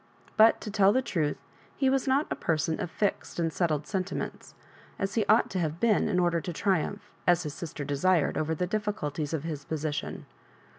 But, to tell the truth, he was not a person of fixed and settled sentiments, as he ought to have been in order to triumph, as his sister desired, over the difficulties of his position.